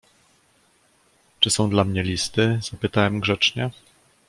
"Czy są dla mnie listy, zapytałem grzecznie."